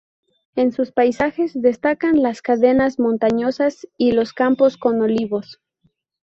En sus paisajes destacan las cadenas montañosas y los campos con olivos.